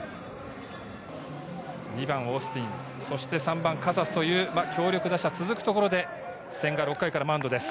２番オースティン、そして３番カサスという強力打者が続くところで、千賀、６回からマウンドです。